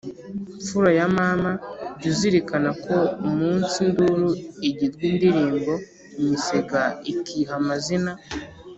Mfura ya Mama jya uzirikana ko Umunsi induru igirwa indirimbo Imisega ikiha amazina